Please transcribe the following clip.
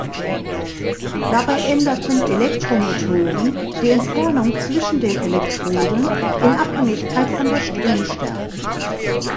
Dabei änderten Elektromotoren die Entfernung zwischen den Elektroden in Abhängigkeit von der Stromstärke.